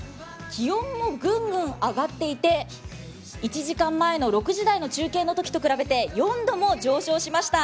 気温もぐんぐん上がっていて１時間前の６時台の中継のときと比べて４度も上昇しました。